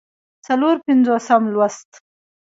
څلور پينځوسم لوست